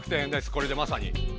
これでまさに。